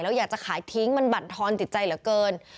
แล้วอยากจะขายทิ้งมันบั่นทอนจิตใจเหลือเกิน